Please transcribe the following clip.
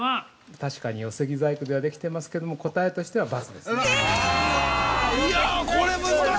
確かに寄木細工ではできてますけども答えとしてはバツです。